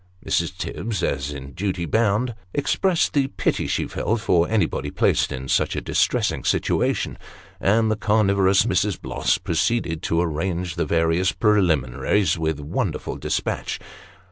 Mrs. Tibbs, as in duty bound, expressed the pity she felt for any body placed in such a distressing situation ; and the carnivorous Mrs. Bloss proceeded to arrange the various preliminaries with wonderful despatch.